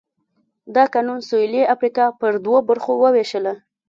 دا قانون سوېلي افریقا پر دوو برخو ووېشله.